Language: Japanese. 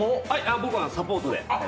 僕はサポートで。